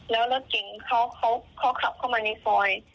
แล้วรถเก่งเขาขับเข้ามาในซอย